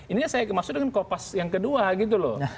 ini yang saya maksud dengan kopas yang kedua gitu loh